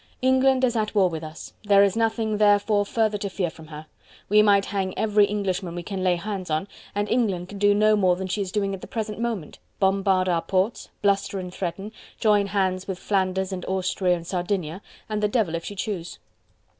England is at war with us, there is nothing therefore further to fear from her. We might hang every Englishman we can lay hands on, and England could do no more than she is doing at the present moment: bombard our ports, bluster and threaten, join hands with Flanders, and Austria and Sardinia, and the devil if she choose.